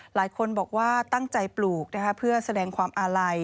หลายคนบอกว่าตั้งใจปลูกนะคะเพื่อแสดงความอาลัย